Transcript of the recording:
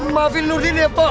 maafin nurdin ya pak